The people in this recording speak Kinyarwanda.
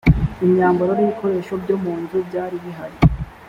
imyambaro n ibikoresho byo mu nzu byari bihari